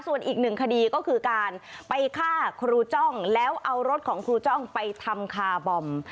ส่วนอีกหนึ่งคดีก็คือการไปฆ่าครูจ้องแล้วเอารถของครูจ้องไปทำคาร์บอม